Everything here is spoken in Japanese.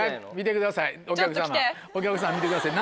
お客さん見てください